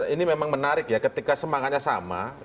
ini memang menarik ya ketika semangatnya sama